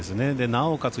なおかつ